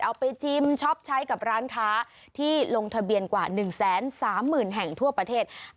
เอาไปชิมช็อปใช้กับร้านค้าที่ลงทะเบียนกว่า๑๓๐๐๐แห่งทั่วประเทศ